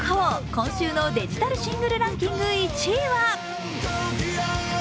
今週のデジタルシングルランキング１位は。